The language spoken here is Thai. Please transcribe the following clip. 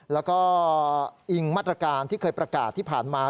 แล้วก็อิงมาตรการที่เคยประกาศที่ผ่านมา